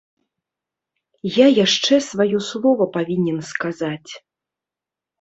Я яшчэ сваё слова павінен сказаць.